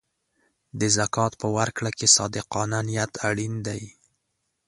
د زکات په ورکړه کې صادقانه نیت اړین دی.